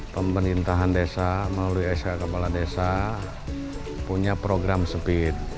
pemerintahan desa melalui sk kepala desa punya program sepit